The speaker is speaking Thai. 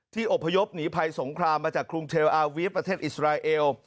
อบพยพหนีภัยสงครามมาจากกรุงเทลอาวีฟประเทศอิสราเอล